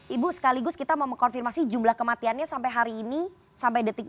ibu sekigus kita mau meng